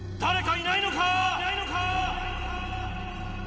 いないのか！